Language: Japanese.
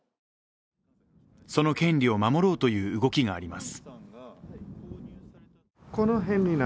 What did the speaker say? その権利を守ろうという動きがあります。